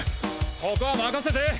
ここは任せて！